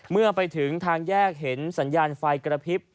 เมื่อไปถึงทางแยกเห็นสัญญาณไฟกระพริบ